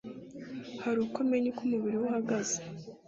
hari uko amenya uko umubiri we uhagaze